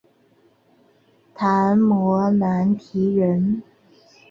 昙摩难提人。